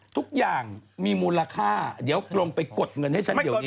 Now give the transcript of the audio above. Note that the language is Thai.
ทุกอย่างมีมูลค่าเดี๋ยวกรมไปกดเงินให้ฉันเดี๋ยวนี้